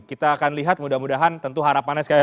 kita akan lihat mudah mudahan tentu harapannya sekali lagi